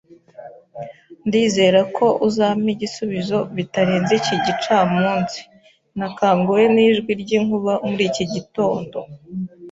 Ndizera ko uzampa igisubizo bitarenze iki gicamunsi. Nakanguwe nijwi ryinkuba muri iki gitondo.